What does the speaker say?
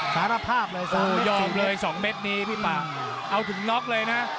สารภาพเลย๓๒๔ส่องเม็ดนี้เอาถึงน็กเลยนะ